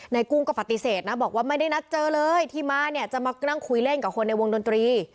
กุ้งก็ปฏิเสธนะบอกว่าไม่ได้นัดเจอเลยที่มาเนี่ยจะมานั่งคุยเล่นกับคนในวงดนตรี